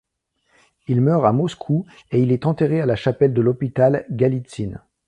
Il meurt à Moscou et il est enterré à la chapelle de l'hôpital Galitzine.